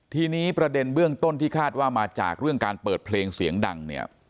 ทีนี้ประเด็นเบื้องต้นที่คาดว่ามาจากเรื่องการเปิดเพลงเสียงดังเนี่ย